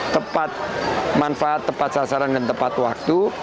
tepat manfaat tepat sasaran dan tepat waktu